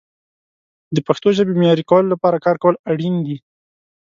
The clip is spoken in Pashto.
د پښتو ژبې معیاري کولو لپاره کار کول اړین دي.